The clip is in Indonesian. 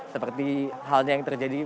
seperti halnya yang terjadi